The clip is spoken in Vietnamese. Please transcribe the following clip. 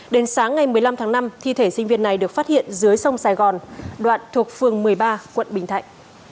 đến sáng ngày một mươi năm tháng năm thi thể sinh viên này được phát hiện dưới sông sài gòn đoạn thuộc phường một mươi ba quận bình thạnh